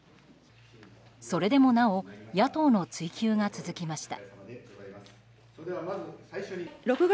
それでもなお野党の追及が続きました。